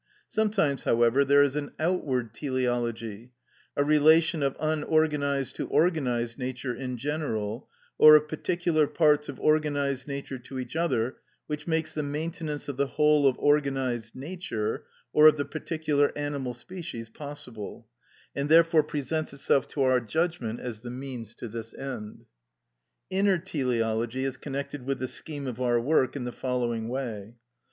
Sometimes, however, there is an outward teleology, a relation of unorganised to organised nature in general, or of particular parts of organised nature to each other, which makes the maintenance of the whole of organised nature, or of the particular animal species, possible, and therefore presents itself to our judgment as the means to this end. Inner teleology is connected with the scheme of our work in the following way.